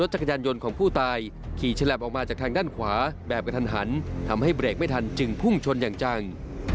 จากทางด้านขวาแบบกระทันหันทำให้เบรกไม่ทันจึงพุ่งชนอย่างจัง